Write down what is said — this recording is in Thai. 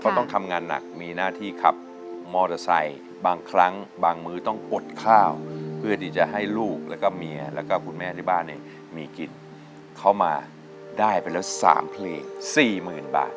เขาต้องทำงานหนักมีหน้าที่ขับมอเตอร์ไซค์บางครั้งบางมื้อต้องอดข้าวเพื่อที่จะให้ลูกแล้วก็เมียแล้วก็คุณแม่ที่บ้านเนี่ยมีกินเข้ามาได้ไปแล้ว๓เพลง๔๐๐๐บาท